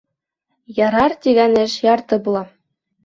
«Ярар», тигән эш ярты була.